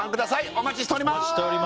お待ちしております